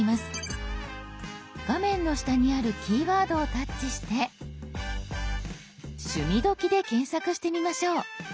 画面の下にある「キーワード」をタッチして「趣味どき」で検索してみましょう。